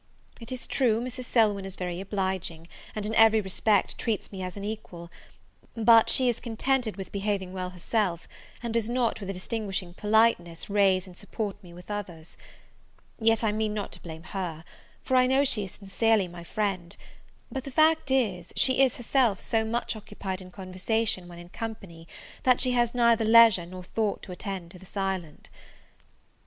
It is true, Mrs. Selwyn is very obliging, and, in every respect, treats me as an equal; but she is contented with behaving well herself, and does not, with a distinguishing politeness, raise and support me with others. Yet I mean not to blame her, for I know she is sincerely my friend; but the fact is, she is herself so much occupied in conversation, when in company, that she has neither leisure nor thought to attend to the silent.